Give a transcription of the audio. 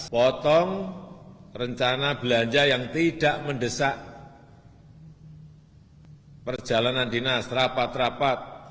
potong rencana belanja yang tidak mendesak perjalanan dinas rapat rapat